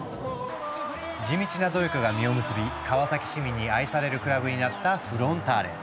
地道な努力が実を結び川崎市民に愛されるクラブになったフロンターレ。